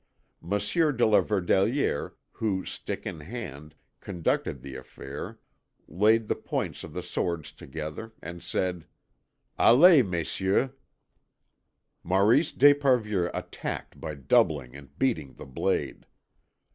Monsieur de la Verdelière, who, stick in hand, conducted the affair, laid the points of the swords together, and said: "Allez, Messieurs." Maurice d'Esparvieu attacked by doubling and beating the blade.